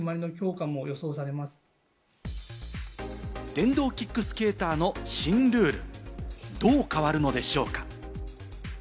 電動キックスケーターの新ルール、どう変わるのでしょうか。